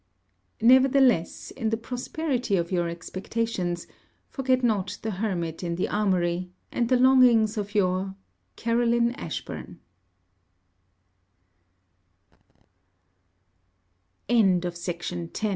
Nevertheless, in the prosperity of your expectations, forget not the Hermit in the armoury, and the longings of your CAROLINE ASHBURN LETTER XI FROM CLEMENT MONT